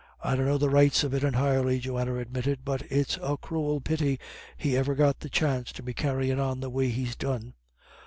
"I dunno the rights of it entirely," Johanna admitted, "but it's a cruel pity he ever got the chance to be carryin' on the way he's done."